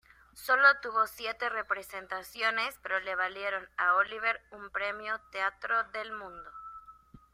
Solo tuvo siete representaciones, pero le valieron a Oliver un Premio Theatre World.